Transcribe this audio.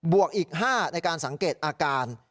วกอีก๕ในการสังเกตอาการ